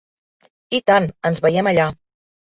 I tant, ens veiem allà!